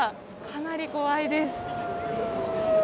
かなり怖いです。